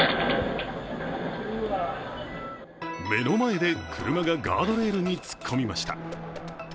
目の前で車がガードレールに突っ込みました。